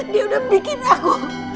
dia udah bikin aku